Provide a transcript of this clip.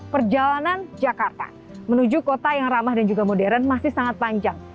perjalanan jakarta menuju kota yang ramah dan juga modern masih sangat panjang